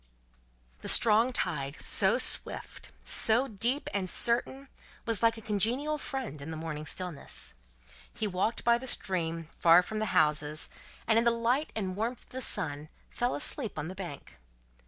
The strong tide, so swift, so deep, and certain, was like a congenial friend, in the morning stillness. He walked by the stream, far from the houses, and in the light and warmth of the sun fell asleep on the bank.